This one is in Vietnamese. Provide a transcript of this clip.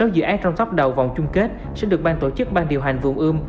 sáu dự án trong tóc đầu vòng chung kết sẽ được ban tổ chức ban điều hành vùng ưm